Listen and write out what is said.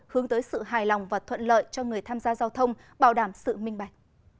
hướng tới sự hài lòng và thuận lợi cho người tham gia giao thông bảo đảm sự minh bạch